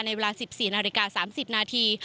เวลา๑๔นาฬิกา๓๐นาที